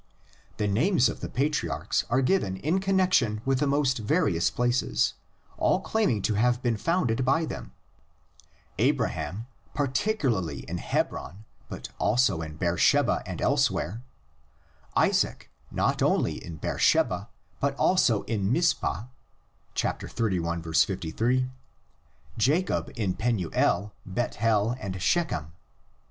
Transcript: The names of the patriarchs are given in connexion with the most various places, all claiming to have been founded by them; Abraham particularly in Hebron, but also in Beersheba and elsewhere; Isaac not only in Beersheba, but also in Mizpah (xxxi. 53) ; Jacob in Penuel, Bethel and Shechem.